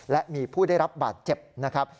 และมีผู้ได้รับบาดเจ็บนะครับ